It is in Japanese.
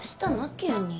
急に。